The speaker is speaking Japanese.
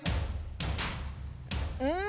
うん！